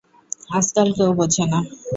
আজকাল কেউ বোঝে না।